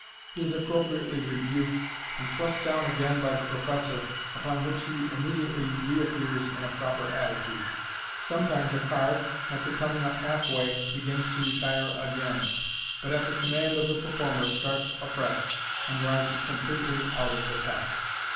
He is appro priately rebuked, and thrust down again by the professor, upon which he immediately reappears in a proper attitude. Sometimes a card, after coming up half way, begins to retire again, but at the command of the performer starts afresh, and rises completely out of the pack.